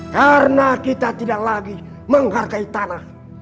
karena kita tidak lagi menghargai tanah